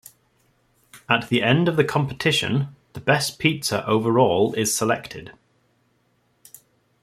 At the end of the competition, the best pizza overall is selected.